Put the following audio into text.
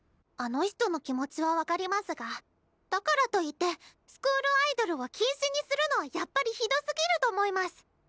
あの人の気持ちは分かりますがだからといってスクールアイドルを禁止にするのはやっぱりひどすぎると思います。